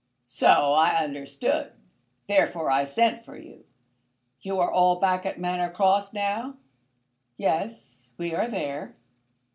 "So I understood; therefore I sent for you. You are all back at Manor Cross now?" "Yes; we are there."